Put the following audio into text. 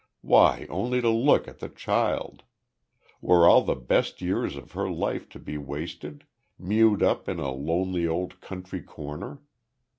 Why, only to look at the child! Were all the best years of her life to be wasted, mewed up in a lonely old country corner!